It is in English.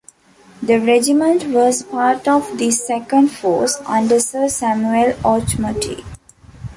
The regiment was part of this second force, under Sir Samuel Auchmuty.